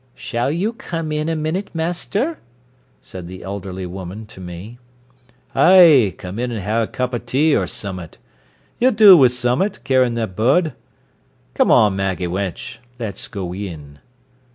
"Shall you come in a minute, Master?" said the elderly woman, to me. "Ay, come in an' ha'e a cup o' tea or summat. You'll do wi' summat, carryin' that bod. Come on, Maggie wench, let's go in."